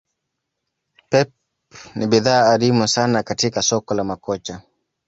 Pep ni bidhaa adimu sana katik soko la makocha